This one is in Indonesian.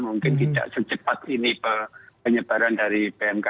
mungkin tidak secepat ini penyebaran dari pmk